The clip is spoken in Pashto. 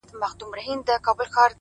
مجاهد د خداى لپاره دى لوېــدلى-